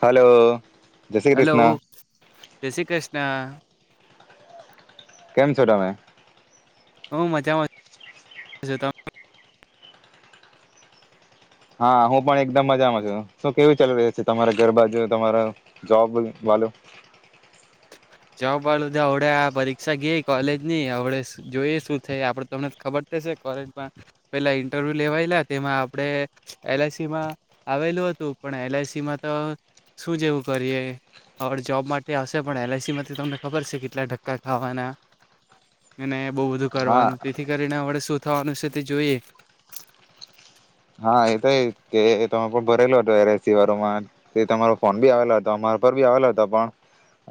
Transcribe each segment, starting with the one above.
Hello. જય Shri hello Krishna જય શ્રી કૃષ્ણ. છો કેમ ટમે? હું મજામાં ત [unintelligible] હા હું પણ એકદમ મજામાં છું, શું કેવી ચાલુ રહી છે તમારા ઘર બાજુ તમારો જોબ વાળું. જોબ વાળું તો અવડે આ પરીક્ષા ગઈ કોલેજ ની અવડે જોઈએ શું થઈ આપડ તમને ખબર થશે કોલેજમાં પેલા ઈન્ટરવ્યુ લેવાયેલા તેમાં આપણે એલ આઈ સી માં આવેલું હતું પણ એલ આઈ સી માં તો શું જેવું કરીએ હડ જોબ માટે હશે પણ એલ આઈ સીમાં ત તમને ખબર છે કેટલા ધક્કા ખાવાના. અને બહુ બધું હા કરવાનું તેથી કરીને હમને શુ થવાનું છે તે જોઈએ. હા એ તો કે તમે પણ ભરેલો હતો એ સી વારોમાં તે તમારો ફોન બી આવેલો હતો અમારા પર બી આવેલો હતો પણ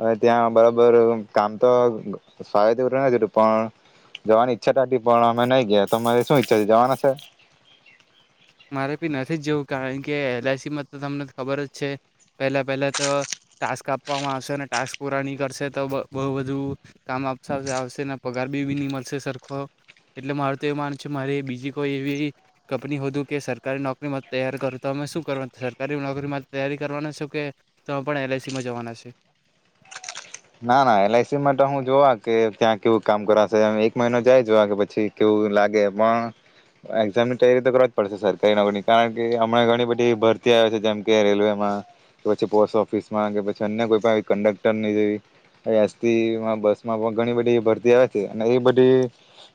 હ ત્યાં બરોબર કામ તો સારી [unintelligible] પણ જવાની ઈચ્છાતા હતી પણ અમે નઈ ગયા. તમારે શું ઈચ્છા જવાના છે? મારે બી નથી જ જેવું કારણ કે એલ આઈ સીમાં તો તમને ખબર જ છે પહેલા પહેલા તો ટાસ્ક આપવામાં આવશે ને ટાસ્ક પુરા ન કરશે તો બહુ બધું કામ આવશે પગાર બી બી ન મળશે સરખો એટલે મારું તો એ માનું છે મારી બીજી કોઈ એવી કંપની હોદુ. કે સરકારી નોકરીમાં તૈયારી કરું તો અમે શું કરવાનું સરકારી નોકરીમાં તૈયારી કરવાના છો? કે અમે પણ એલ આઈ સીમાં જવાના છે? ના ના એલ આઈ સી માટે હું જોવા કે ત્યાં કેવું કામ કરાશે એક મહિનો જાય જોવા કે પછી કેવું લાગે પણ એક્ઝામની તૈયારી તો કરવા જ પડશે સર કઈ નગરની કારણ કે હમણાં ઘણી બધી ભરતી આવે છે જેમ કે રેલવેમાં કે પછી પોસ્ટ ઓફિસમાં કે પછી અન્ય કોઈ પણ કન્ડક્ટરની જેવી. એસ થી બસમાં પણ ઘણી બધી ભરતી આવે છે અને એ બધી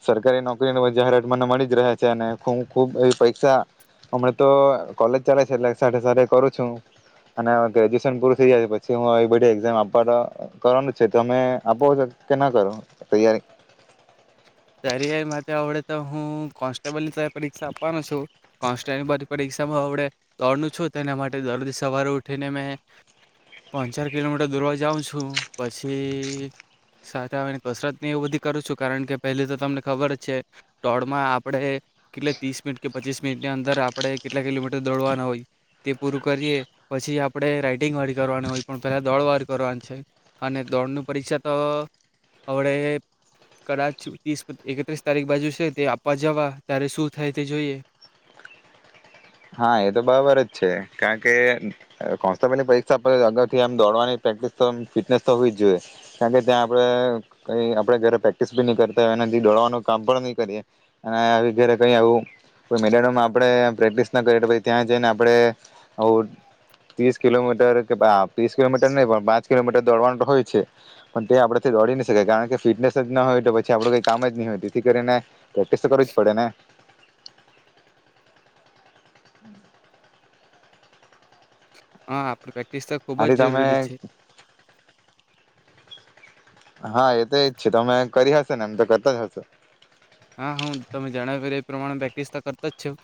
સરકારી નોકરીની જાહેરાત મને મળી જ રહે છે અને ખ ખુબ એ પરીક્ષા હમણા તો કોલેજ ચાલે છે એટલે સાથે સાથે કરું છું અને ગ્રેજ્યુએશન પૂરું થઈ જાય છે પછી હું બ એામ આપવા તો કરવાનું છે તમે આપો છો કે ના કરો તૈયારી. તરેય મા આવડે તો હું કોન્સ્ટેબલ ની ત પરીક્ષા આપવાનો છું. કોન્સ્ટેયબલ પરીક્ષામાં હવડે દોડું છું તેના માટે દરદી સવારે ઉઠીને મેં પાણ ચાર કિલોમીટર દૂરવા જાઉં છું પછી સાને કસરત એવું બધી કરું છું કારણ કે પહેલી તો તમને ખબર જ છે દોડમાં આપણે કેટલે ત્રીસ મિનિટ કે પચીસ મિનિટની અંદર આપણે કેટલા કિલોમીટર દોડવાના હોય તે પૂરું કરીએ પછી આપણે રાઇટિંગવાળી કરવાની હોય પણ પહેલાં દોડવાર કરવાની છે અને દોડનું પરીક્ષા તો હવડે કદાચ ત્રીસ એકત્રીસ તારીખ બાજુ છે તે આપવા જવા ત્યારે શું થાય તે જોઈએ. હા એ તો બરાબર જ છે કારણ કે કોન્સ્ટેબલની પરીક્ષા અગાઉથી આમ દોડવાની પ્રેક્ટિસ તો ફિટનેસ તો હોવી જ જોઈએ કારણ કે ત્યાં આપણે કંઈ આપણે ઘરે પ્રેક્ટિસ બી નહીં કરતા હોય દોડવાનું કામ પણ નહી કરીએ અને આવી ઘરે કંઈ આવું કોઈ મેદાનમાં આપણે પ્રેક્ટિસ ન કરે તો પછી ત્યાં જઈને આપણે આઉ ત્રીસ કિલોમીટર કે ત્રીસ કિલોમીટર નહી પણ પાંચ કિલોમીટર દોડવાનું હોય છે પણ ત્યા આપણેથી દોડી નહી શકાય કારણ કે ફિટનેસ જ ના હોય તો પછી આપડું કઈ કામ જ નહી હોય તેથી કરીને પ્રેક્ટિસ તો કરવી જ પડે ને. હા આપ પ્રેક્ટિસ તો ખૂબ જ આથી તમે જરૂરી છે. હા એ તો એજ છે તમે કરી હકશે ને એમ તો કરતા જ હશે. હા હું તમે જણાવ્યું એ પ્રમાણે પ્રેક્ટિસ તો કરતા જ છું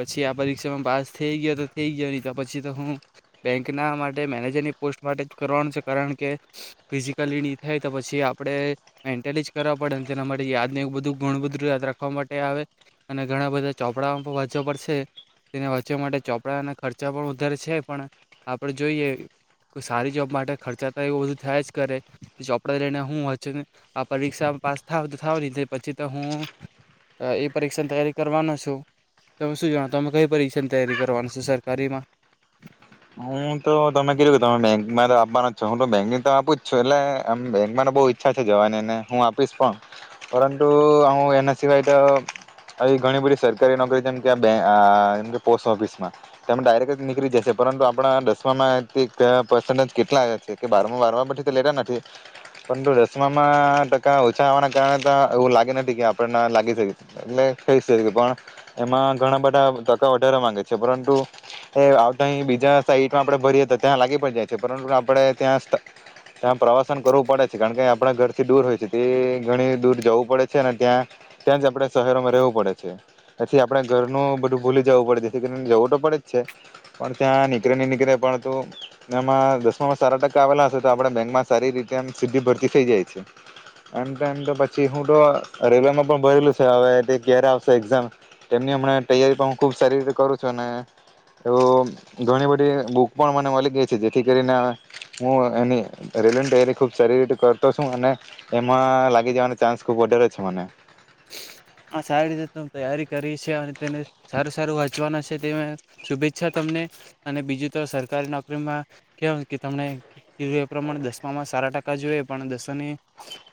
પછી આ પરીક્ષામાં પાસ થઈ ગયો તો થઈ ગયો નહી તો પછી તો હું બેંકના માટે મેનેજરની પોસ્ટ માટે જ કરવાનું છે કારણ કે ફિઝિકલી નહી થાય તો પછી આપણે મેન્ટલી જ કરવા પડે તેના માટે યાદ ને એવ બધું ઘણું બધું યાદ રાખવા માટે આવે અને ઘણા બધા ચોપડા વાંચવા પડશે છે તેને વાંચવા માટે ચોપડાના ખર્ચા પણ વધારે છે પણ આપણે જોઈએ કોઈ સારી જોબ માટે ખર્ચા તો એવું બધું થયા જ કરે ચોપડા લઈને હું વાંચીને આ પરીક્ષા પાસ થાવ તો થાવ નહી ની ત પછી તો હું એ પરીક્ષાની તૈયારી કરવાનો છું. તમે શું જાણો તમે કઈ પરીક્ષાની તૈયારી કરવાની છો સરકારીમાં? હું તો તમે કીધું તમે બેંકમાં તો આપવાનો જ છો હું તો બેંકની તો આપું જ છું એટલે આમ બેંકમાં બહુ ઈચ્છા છે જવાની એને હું આપીશ પણ પરંતુ હું એના સિવાય તો આવી ઘણી બધી સરકારી નોકરી જેમ કે આ બે આ જેમ કે પોસ્ટ ઓફિસમાં તેમાં ડાયરેક્ટ નીકળી જશે પરંતુ આપણા સમાયા તે કયા પર્સન્ટેજ કેટલા આવ્યા છે કે બારમાં બારમાં પછી તો લેતા નથી પરંતુ દસમામાં ટકા ઓછા આવવાના કારણે તો એવું લાગે નથી કે આપણને લાગી શકીશ એટલે થઈ શકે પણ એમાં ઘણા બધા ટકા વધારે માંગે છે પરંતુ એ આવ તઈ બીજા સાઈટ તા આપણે ભરીએ હતા ત્યાં લાગી પણ જાય છે પરંતુ આપણે ત્યાં ત્યાં પ્રવાસન કરવું પડે છે કારણ કે આપણા ઘરથી દૂર હોય છે તે ઘણી દૂર જવું પડે છે અને ત્યાં ત્યાં જ આપણે શહેરોમાં રહેવું પડે છે. એથી આપણે ઘરનું બધું ભૂલી જવું પડે છે જેથી કરી જવું તો પડે જ છે પણ ત્યાં નીકળેની પણ તુ ને એમાં દસમામાં સારા ટકા આવેલા હશે તો આપણે બેંકમાં સારી રીતે એમ સીધી ભરતી થઈ જાય છે એમ તો એમ તો પછી હું તો રેલવેમાં પણ ભરેલું છે હવે તે ક્યારે આવશે એક્ઝામ તેમની હમણાં તૈયારી પણ હું ખૂબ સારી રીતે કરું છું અને એવું ઘણી બધી બુક પણ મને મળી ગઈ છે જેથી કરીને હું એની રેલવેની તૈયારી ખૂબ સારી રીતે કરતો છું અને એમાં લાગી જવાનો ચાન્સ ખૂબ વધારે છે મને. આ સારી રીતે તમે તૈયારી કરી છે અને તેને સારું સારું વાંચવાના છે તે શુભેચ્છા તમને અને બીજું તો સરકારી નોકરીમાં કેમ કે તમને એ પ્રમાણે દસમામાં સારા ટકા જોઈએ પણ દસમાની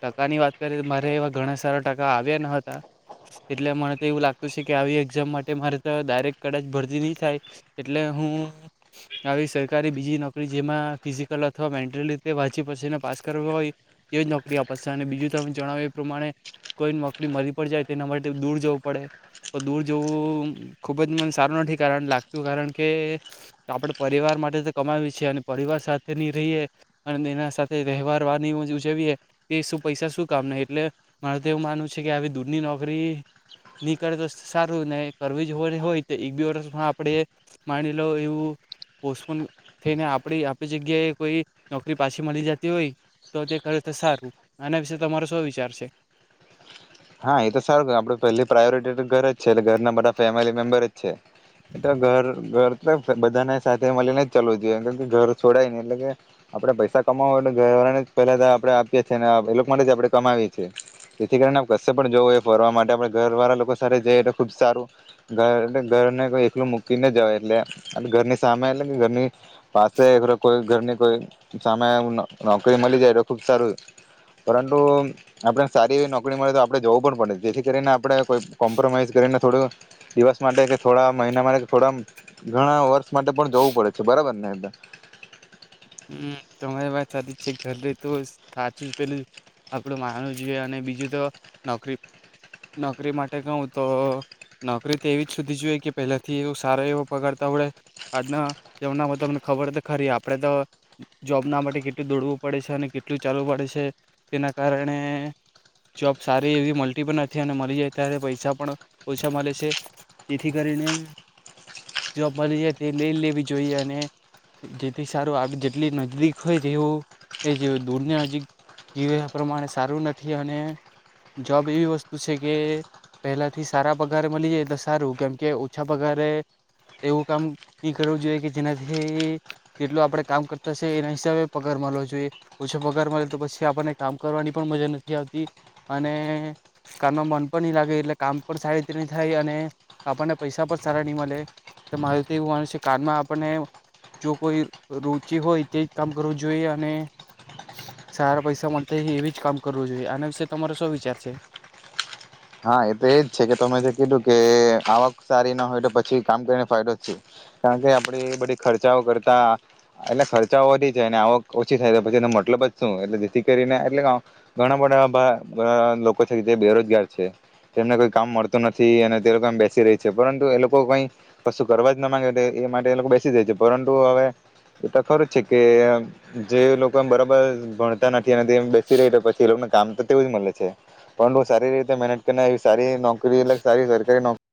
ટકાની વાત કરીએ તો મારે એવા ઘણા સારા ટકા આવ વ્યા ન હતા એટલે મને તો એવું લાગતું છે કે આવી એક્ઝામ માટે મારે તો ડાયરેક કદાચ ભરતી નહી થાય, એટલે હું આવી સરકારી બીજી નોકરી જેમાં ફિઝિકલ અથવા મેન્ટલ રીતે વાંચી પછીને પાસ કરવુ હોય એવીજ નોકરી આપશે અને બીજું તમે જણાવો એ પ્રમાણે કોઈ નોક આપણી [unintelligible] મલી પણ જાય તો એના માટે દૂર જવું પડે, તો દૂર જવું ખૂબજ મને સારું નથી કારણ લાગતું કારણ કે આપણે પરિવાર માટે તો કમાવી છીએ અને પરિવાર સાથેની રહીએ અને એના સાથે વહેવાર વાની ઉજવીએ એ શું પૈસા શું કામને એટલે મારે તો એવું માનવું છે કે આવી દૂરની નોકરી ની કરે તો સારું ને કરવી જ હોય હોય તો એક બે વર્ષ આપે માની લો એવું પોસ્ટપોન થઈને આપડી આપડી જગ્યાએ કોઈ નોકરી પાછી મળી જતી હોય, તો તે કરે તો સારું આના વિશે તમારો શો વિચાર છે. હા, એતો સારું આપડે પહેલી પ્રાયોરિતી તો ઘર જ છે એટલે ઘરના બધા ફેમિલી મેમ્બર જ છે. એતો ઘર ઘર તો બધાને સાથે મલીને ચાલવું જોઈએ ઘર છોડાય ની એટલે કે આપડે પૈસા કમાવું હોય એટલે ઘર વાળાને પહેલા તો આપણે આપીએ છીએ અને એ લોકો માટે જ આપડે કમાવીએ છીએ જેથી કરીને કશે પણ જવું હોય એ ફરવા માટે આપણે ઘરવાળા લોકો સાથે જઈ એટલે ખૂબ સારું ઘર એટલે ઘરને કોઈ એકલું મૂકીને જાય એટલે ઘરની સામે એટલે કે ઘરની પાસે એક [inaudible] કોઈ ઘરની કોઈ સામે નોકરી મળી જાય તો ખૂબ સારું, પરંતુ આપણે સારી એવી નોકરી તો આપડે જવું પણ પડે, જેથી કરીને આપણે કો કોમ્પ્રોમાઈઝ કરીને થોડું દિવસ માટે કે થોડા મહિના માટે કે થોડા ઘણા વર્ષ માટે પણ જવું પડે છે બરાબર ને એતો હમ્મ, તમારી વાત સાચી જ છે, ઘર તો સાચું જ પેલું આપડું માનવું જોઈએ અને બીજું તો નોકરી નોકરી માટે કહું તો નોકરી તો એવી જ સુધી જોઈએ કે પહેલાથી એવ સારો એવો પગાર તા હોડે [unintelligible] આજના જમનામાં તમને ખબર ખરી આપડે તો જોબના માટે કેટલું દોડવું પડે છે અને કેટલું ચાલવું પડે છે તેના કારણે જોબ સારી એવી મલતી પણ નથી અને મલી જાય ત્યારે પૈસા પણ ઓછા મલે છે, જેથી કરીને જોબ મલી જાય તે લઈજ લેવી જોઈએ અને જેથી સારું જેટલી નજીદીક હોય તેવું ને જેવો દૂરની નજીક જીવે પ્રમાણે સારું નથી અને જોબ એવી વસ્તુ છે કે પહેલાંથી સારા પગારે મળી જાય તો સારું કેમકે ઓછા પગારે એવું કામ નહીં કરવું જોઈએ કે જેનાથી જેટલું આપડે કામ કરતા સે એના હિસાબે પગાર મળવો જોઈએ ઓછો પગાર મળે તો પછી આપણને કામ કરવાની પણ મજા નથી આવતી અને કામમાં મન પણ નહી લાગે એટલે કામ પણ સારી રીતે નહી થાય અને આપણને પૈસા પણ સારા નહીં મળે, તો મારે તો એવું માનું છે કે કામમાં આપણને જો કોઈ રુચિ હોય તેજ કામ કરવું જોઈએ અને સારા પૈસા મળતા એવી જ કામ કરવું જોઈએ, આના વિશે તમારે શૌ વિચાર છે? હા એ તો એજ છે કે તમે જે કીધું કે આવક સારી ના હોય તો પછી કામ કરીને ફાયદો જ શુ કારણકે આપડી બધી ખર્ચાઓ કરતા એટલે ખર્ચાઓ વધી જાય અને આવક ઓછી થાય તો પછી એનો મતલબ જ શું એટલે જેથી કરીને એટલે ઘણા બધા લોકો છે જે બેરોજગાર છે તેમને કોઈ કામ મળતું નથી અને તે લોકો એમ બેસી રહી છે, પરંતુ એ લોકો કઈ કશું કરવા જ ના માંગે એ માટે એ લોકો બેસી જાય છે, પરંતુ હવે એતો ખરું જ છે કે જે લોકો એમ બરાબર ભણતા નથી અને તે બેસી રેહ પછી એ લોકોને કામ તો તેવું જ મળે છે પરંતુ સારી રીતે મહેનત કરીને એવી સારી નોકરી એટલે કે સારી સરકારી નોકરી